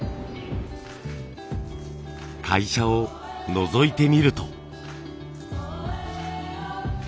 会社をのぞいてみると。